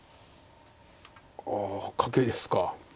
ああカケですか。